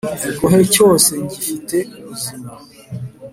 igohe cyose ngifite ubuzima